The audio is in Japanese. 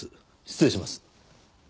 失礼します。